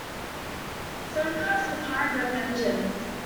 Some cars have high rev engines.